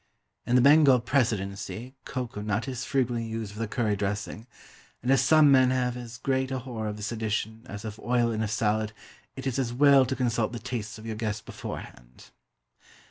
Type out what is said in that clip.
In the Bengal Presidency cocoa nut is freely used with a curry dressing; and as some men have as great a horror of this addition, as of oil in a salad, it is as well to consult the tastes of your guests beforehand.